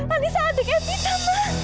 anissa adik evita ma